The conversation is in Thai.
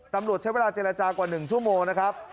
ตำรวจใช้เวลาเจรจากว่า๑ชั่วโมงนะครับ